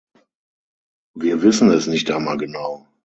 Wir wissen es nicht einmal genau.